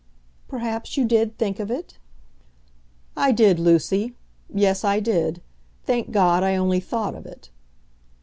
"Perhaps you did think of it." "I did, Lucy. Yes, I did. Thank God, I only thought of it."